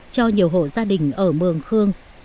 cho nhiều hộ gia đình ở mường khương